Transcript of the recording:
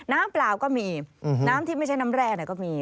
เปล่าก็มีน้ำที่ไม่ใช่น้ำแร่ก็มี